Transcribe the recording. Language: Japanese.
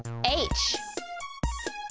Ｈ！